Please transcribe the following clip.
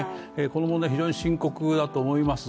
この問題、非常に深刻だと思います。